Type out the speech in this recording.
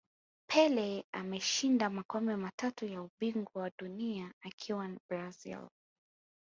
pele ameshinda makombe matatu ya ubingwa wa dunia akiwa na brazil